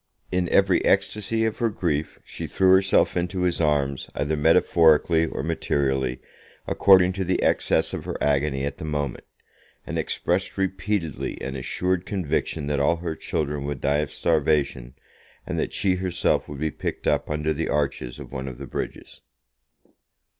In every ecstasy of her grief she threw herself into his arms, either metaphorically or materially, according to the excess of her agony at the moment, and expressed repeatedly an assured conviction that all her children would die of starvation, and that she herself would be picked up under the arches of one of the bridges.